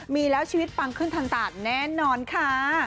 มีแล้วชีวิตปังขึ้นทันตาแน่นอนค่ะ